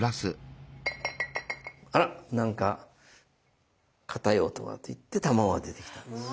「あら何かかたい音が」って言って卵が出てきたんです。